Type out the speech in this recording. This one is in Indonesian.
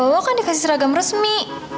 oh kan dikasih seragam resmi